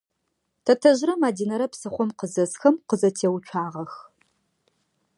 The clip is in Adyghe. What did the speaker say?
Тэтэжърэ Мадинэрэ псыхъом къызэсхэм къызэтеуцуагъэх.